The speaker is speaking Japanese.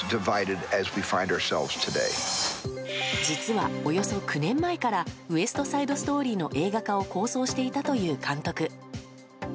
実は、およそ９年前から「ウエスト・サイド・ストーリー」の映画化を構想していたという監督。